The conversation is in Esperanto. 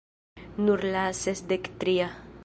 Nur la sesdek tria...